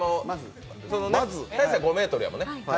大晴、５ｍやもんね。